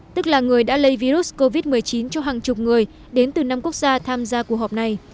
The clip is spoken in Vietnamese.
tức là người đã lây virus covid một mươi chín cho hàng chục người đến từ năm quốc gia tham gia cuộc họp này